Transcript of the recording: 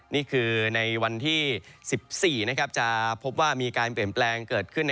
นี่คือในวันที่๑๔จะพบว่ามีการเปลี่ยนแปลงเกิดขึ้น